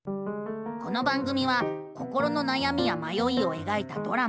この番組は心のなやみやまよいをえがいたドラマ。